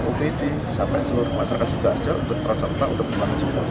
ya upd sampai seluruh masyarakat sejarah untuk berserta untuk membangun sejarah